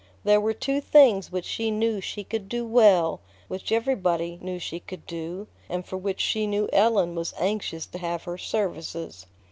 There were two things which she knew she could do well, which everybody knew she could do, and for which she knew Ellen was anxious to have her services.